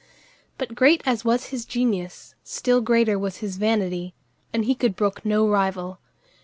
But great as was his genius, still greater was his vanity, and he could brook no rival.